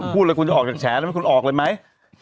พูดแล้วคุณจะออกจากแชร์แล้วพี่คุณออกเลยไหม